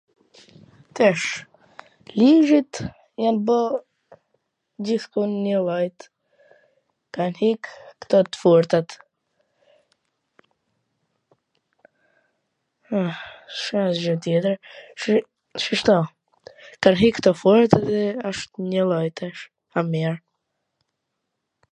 tash indrit jan bo gjithkun nji lloj, kan hik kto t fortat, s ka asgjw tjetwr, shishto. Kan ik kto t fortat dhe asht njw lloj tash... ma mir...